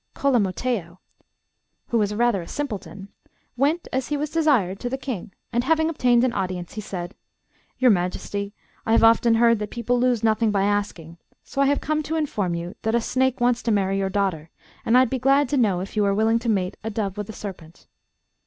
Cola Mattheo, who was rather a simpleton, went as he was desired to the King, and having obtained an audience, he said, 'Your Majesty, I have often heard that people lose nothing by asking, so I have come to inform you that a snake wants to marry your daughter, and I'd be glad to know if you are willing to mate a dove with a serpent?